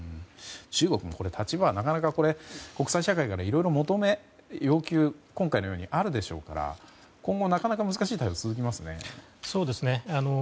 中国も立場はなかなか国際社会から要求が今回のようにあるでしょうから今後、なかなか難しい対応が続きますね。